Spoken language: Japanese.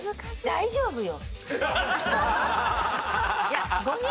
大丈夫よ。